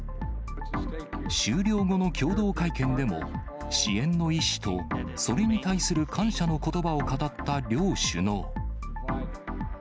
終了後の共同会見でも、支援の意思と、それに対する感謝のことばを語った両首脳。